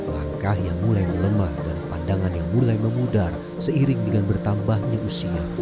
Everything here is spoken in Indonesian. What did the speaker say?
langkah yang mulai melemah dan pandangan yang mulai memudar seiring dengan bertambahnya usia